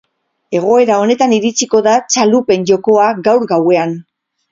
Egoera honetan iritsiko da txalupen jokoa, gaur gauean.